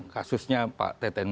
kasusnya pak teten